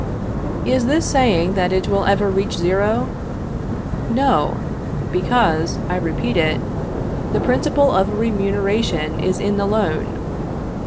Is this saying that it will ever reach zero? No; because, I repeat it, the principle of a remuneration is in the loan.